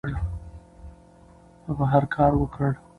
هغه هر کار وکړ.